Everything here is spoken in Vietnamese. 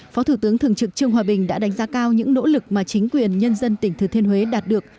phó thủ tướng thường trực trương hòa bình đã đánh giá cao những nỗ lực mà chính quyền nhân dân tỉnh thừa thiên huế đạt được